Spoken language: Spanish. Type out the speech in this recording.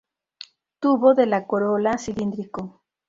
Tubo de la corola cilíndrico.